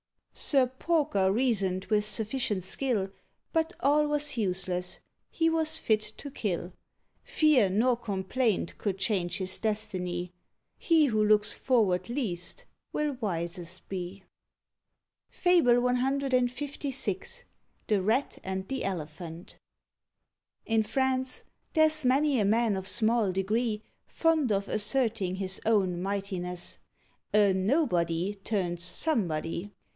Sir Porker reasoned with sufficient skill; But all was useless: he was fit to kill. Fear nor complaint could change his destiny: He who looks forward least will wisest be. FABLE CLVI. THE RAT AND THE ELEPHANT. In France there's many a man of small degree Fond of asserting his own mightiness: A "nobody" turns "somebody."